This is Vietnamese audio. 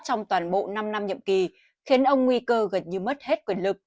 trong toàn bộ năm năm nhiệm kỳ khiến ông nguy cơ gần như mất hết quyền lực